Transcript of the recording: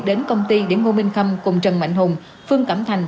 đến công ty điểm ngô minh khâm cùng trần mạnh hùng phương cẩm thành